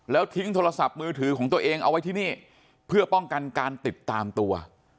แล้วทิ้งโทรศัพท์มือถือของตัวเองเอาไว้ที่นี่เพื่อป้องกันการติดตามตัว